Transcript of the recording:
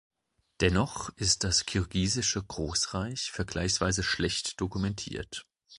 Dennoch ist das kirgisische Großreich vergleichsweise schlecht dokumentiert.